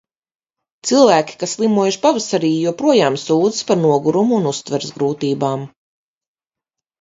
Cilvēki, kas slimojuši pavasarī, joprojām sūdzas par nogurumu un uztveres grūtībām.